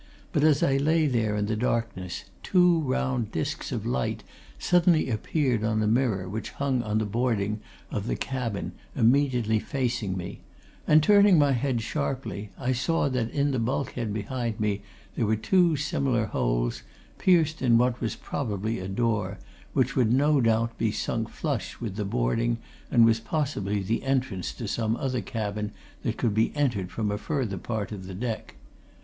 But as I lay there in the darkness, two round discs of light suddenly appeared on a mirror which hung on the boarding of the cabin, immediately facing me, and turning my head sharply, I saw that in the bulkhead behind me there were two similar holes, pierced in what was probably a door, which would, no doubt, be sunk flush with the boarding and was possibly the entrance to some other cabin that could be entered from a further part of the deck.